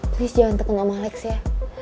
please jangan tekeng sama lex ya